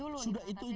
kalau diaudit kita